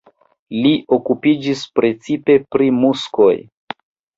Li okupiĝis precipe pri muskoj.